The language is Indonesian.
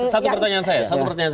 satu pertanyaan saya